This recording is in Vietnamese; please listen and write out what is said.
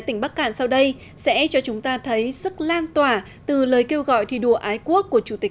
tỉnh bắc cạn sau đây sẽ cho chúng ta thấy sức lan tỏa từ lời kêu gọi thi đua ái quốc của chủ tịch